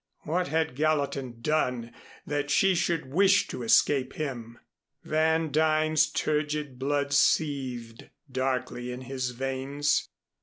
What had Gallatin done that she should wish to escape him? Van Duyn's turgid blood seethed darkly in his veins.